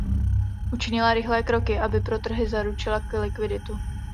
Učinila rychlé kroky, aby pro trhy zaručila likviditu.